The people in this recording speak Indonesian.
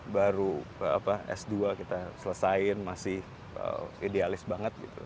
baru s dua kita selesaikan masih idealis banget gitu